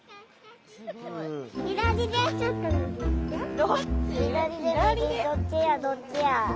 どっちやどっちや。